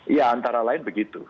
ya antara lain begitu